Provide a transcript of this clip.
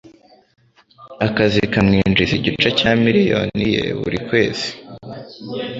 Akazi kamwinjiza igice cya miliyoni yen buri kwezi.